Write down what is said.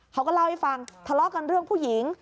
เขาก็เล่าให้ฟังทะเลาะกันเรื่องผู้หญิง